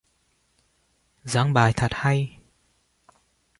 Giảng bài thật hay